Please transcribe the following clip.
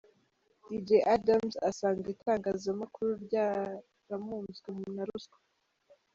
Dj Adams asanga itangazamakuru ryaramunzwe na ruswa.